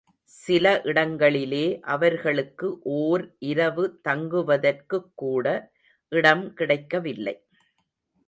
சில இடங்களிலே அவர்களுக்கு ஓர் இரவு தங்ககுவதற்குக் கூட இடம் கிடைக்கவில்லை.